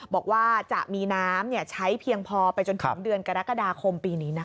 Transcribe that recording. บอกว่าจะมีน้ำใช้เพียงพอไปจนถึงเดือนกรกฎาคมปีนี้นะคะ